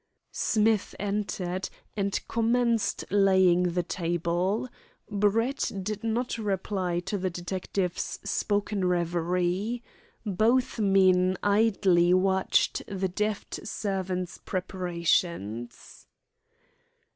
Smith entered, and commenced laying the table. Brett did not reply to the detective's spoken reverie. Both men idly watched the deft servant's preparations.